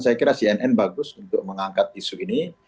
saya kira cnn bagus untuk mengangkat isu ini